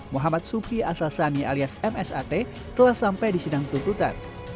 muhammad supi asal sani alias msat telah sampai di sidang tuntutan